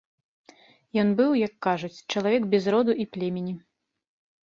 Ён быў, як кажуць, чалавек без роду і племені.